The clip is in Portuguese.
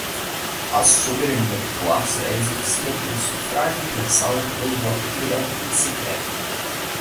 A soberania popular será exercida pelo sufrágio universal e pelo voto direto e secreto